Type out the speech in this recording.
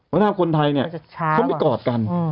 เวลาคนไทยเนี่ยเขาไม่กอดกัน